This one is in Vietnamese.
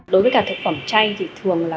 đối với cả thực phẩm chay thì thường là